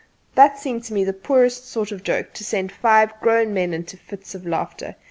That seemed to me the poorest sort of joke to send five grown men into fits of laughter.